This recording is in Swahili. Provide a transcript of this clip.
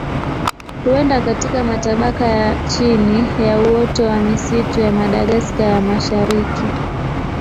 Huenda katika matabaka ya chini ya uoto wa misitu ya Madagaska ya Mashariki.